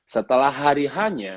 setelah hari h nya